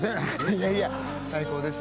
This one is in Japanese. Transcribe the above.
いやいや最高です。